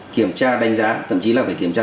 kiểm tra đánh giá thậm chí là phải kiểm tra